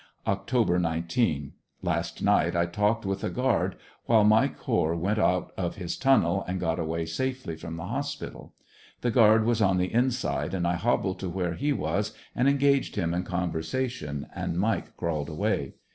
Oct. 19. — Last night I talked with a guard while Mike Hoare went out of his tunnel and got away safely from the hospital. The guard was on the inside and 1 hobbled to where he was and engaged him in conversation and Mike crawled away.